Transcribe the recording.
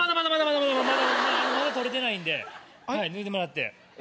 まだ撮れてないんで脱いでもらって。